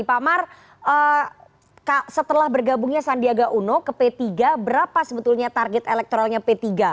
pak mar setelah bergabungnya sandiaga uno ke p tiga berapa sebetulnya target elektoralnya p tiga